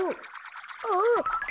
あっ！